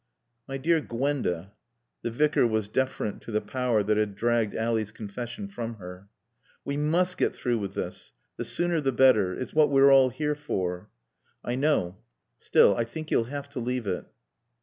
"My dear Gwenda " The Vicar was deferent to the power that had dragged Ally's confession from her. "We must get through with this. The sooner the better. It's what we're all here for." "I know. Still I think you'll have to leave it."